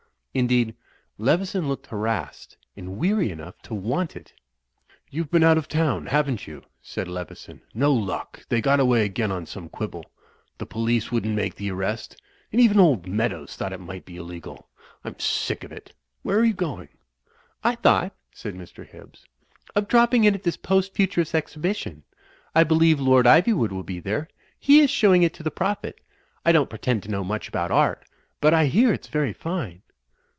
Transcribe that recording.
Indeed, Leveson looked harassed and weary enough to want it "You've been out of town, haven't you?" said Leveson. "No luck. They got away again on some quibble. The police wouldn't make the arrest; and even old Meadows thought it might be illegal. I'm sick of it. Where are you going?" "I thought," said Mr. Hibbs, "of dropping in at this Post Futurist exhibition. I believe Lord Ivy wood will be there; he is showing it to the Prophet I don't pretend to know much about art, but I hear it's very fine."